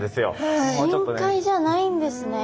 深海じゃないんですね。